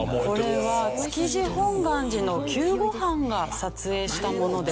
これは築地本願寺の救護班が撮影したものです。